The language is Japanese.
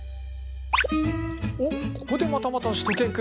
おっここでまたまたしゅと犬くん。